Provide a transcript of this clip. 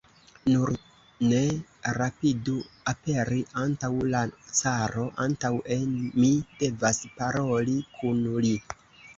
Nur ne rapidu aperi antaŭ la caro, antaŭe mi devas paroli kun li.